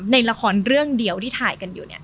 ในล่ะราคอณเรื่องเดียวที่ถ่ายกัน